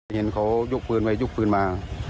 เห็นเขายกปืนไปยกปืนมา